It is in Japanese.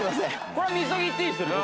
これは禊ぎいっていいですよね？